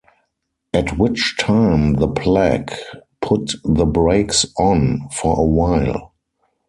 At which time the plague put the brakes on for a while.